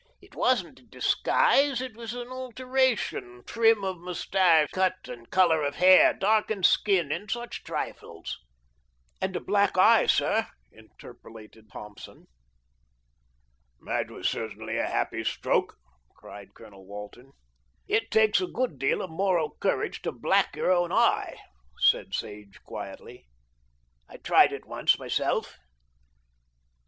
"It wasn't a disguise, it was an alteration; trim of moustache, cut and colour of hair, darkened skin and such trifles." "And the black eye, sir," interpolated Thompson. "That was certainly a happy stroke," cried Colonel Walton. "It takes a good deal of moral courage to black your own eye," said Sage quietly. "I tried it once myself."